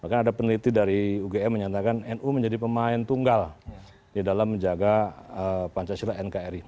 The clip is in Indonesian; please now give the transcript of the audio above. bahkan ada peneliti dari ugm menyatakan nu menjadi pemain tunggal di dalam menjaga pancasila nkri